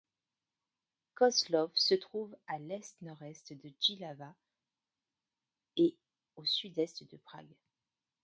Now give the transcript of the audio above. Kozlov se trouve à à l'est-nord-est de Jihlava et à au sud-est de Prague.